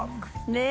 ねえ。